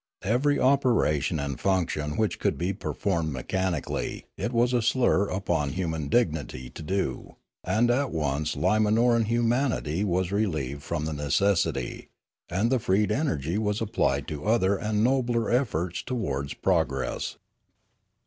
Every operation and function which could be performed mechanically it was a slur upon human dignity to do; and at once Limanoran humanity was relieved from the necessity, and the freed energy was applied to other and nobler efforts towards progress.